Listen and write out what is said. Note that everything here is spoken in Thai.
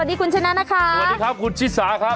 สวัสดีคุณฉะนั้นนะคะสวัสดีครับคุณชิซาครับ